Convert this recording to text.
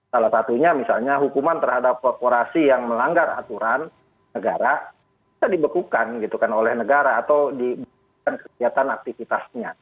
salah satunya misalnya hukuman terhadap korporasi yang melanggar aturan negara bisa dibekukan gitu kan oleh negara atau dibekukan kegiatan aktivitasnya